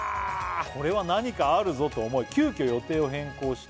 「これは何かあるぞと思い急きょ予定を変更して」